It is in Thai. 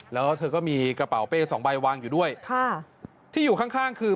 แล้วเธอก็มีกระเป๋าเป้๒ใบวางอยู่ด้วยที่อยู่ข้างคือ